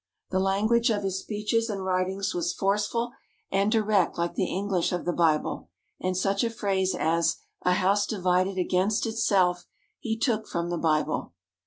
The language of his speeches and writings was forceful and direct like the English of the Bible, and such a phrase as "A house divided against itself," he took from the Bible.